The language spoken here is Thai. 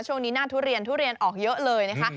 ช่วงนี้หน้าทุเรียนทุเรียนออกเยอะเลยนะคะ